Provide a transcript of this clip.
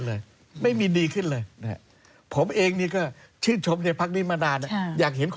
หลบไปเลยเราจะหนีออกไปเลย